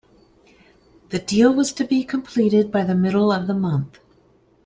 The deal was to be completed by the middle of the month.